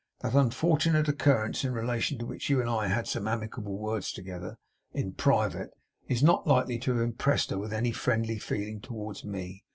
That unfortunate occurrence, in relation to which you and I had some amicable words together, in private, is not likely to have impressed her with any friendly feeling towards me.